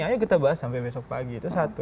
ayo kita bahas sampai besok pagi itu satu